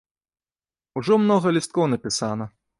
Ужо многа лісткоў напісана.